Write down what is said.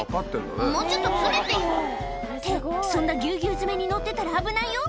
「もうちょっと詰めてよ」ってそんなギュウギュウ詰めに乗ってたら危ないよ